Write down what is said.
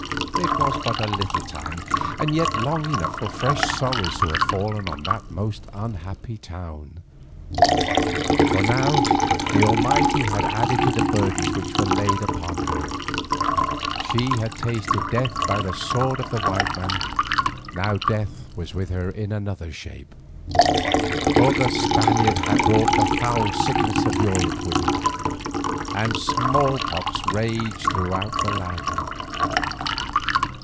It was but a little time, and yet long enough for fresh sorrows to have fallen on that most unhappy town. For now the Almighty had added to the burdens which were laid upon her. She had tasted of death by the sword of the white man, now death was with her in another shape. For the Spaniard had brought the foul sicknesses of Europe with him, and small pox raged throughout the land.